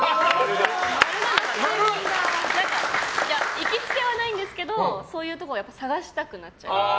行きつけはないんですけどそういうところは探したくなっちゃいます。